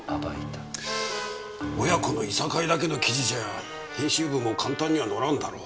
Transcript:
親子のいさかいだけの記事じゃ編集部も簡単には乗らんだろう。